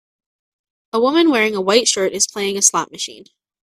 A woman wearing a white shirt is playing a slot machine.